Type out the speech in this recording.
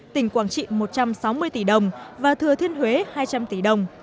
tỉnh quảng trị một trăm sáu mươi tỷ đồng và thừa thiên huế hai trăm linh tỷ đồng